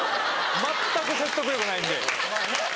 全く説得力ないんで。